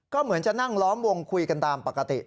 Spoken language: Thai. ก็เหมือนจะนั่งล้อมวงคุยกันตามปกติ